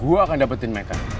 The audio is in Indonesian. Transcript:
gue akan dapetin mereka